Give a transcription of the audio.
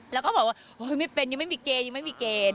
แล้วก็บอกว่าไม่เป็นยังไม่มีเกณฑ์ยังไม่มีเกณฑ์